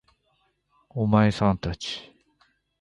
お前さん達